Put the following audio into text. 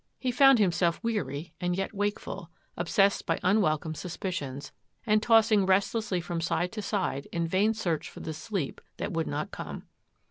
He found himself weary and yet wa obsessed by unwelcome suspicions, and tc restlessly from side to side in vain search fc sleep that would not come.